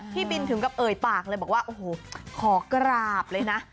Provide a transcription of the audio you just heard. พี่บินถึงกับเอ่ยปากเลยบอกว่าโอ้โหขอกราบเลยนะ